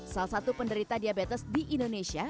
salah satu penderita diabetes di indonesia